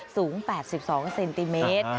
สูง๘๒เซนติเมตร